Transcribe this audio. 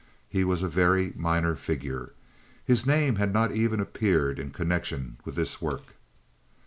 He was a very minor figure. His name had not even appeared in connection with this work.